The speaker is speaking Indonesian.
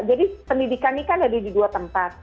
jadi pendidikan ini kan ada di dua tempat